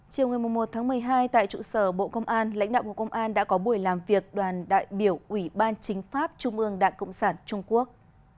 chiều ngày một một mươi hai tại trụ sở bộ công an lãnh đạo bộ công an đã có buổi làm việc đoàn đại biểu ủy ban chính pháp trung ương đảng cộng sản trung quốc